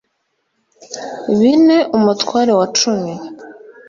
bine umutware wa cumi